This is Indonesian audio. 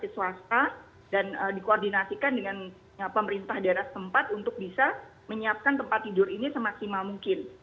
dibantu dengan rumah sakit swasta dan dikoordinasikan dengan pemerintah daerah tempat untuk bisa menyiapkan tempat tidur ini semaksimal mungkin